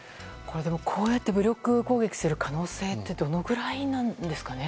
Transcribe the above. こうして武力攻撃する可能性ってどれぐらいなんですかね。